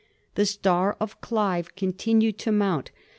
The star of Clive continiied to mount.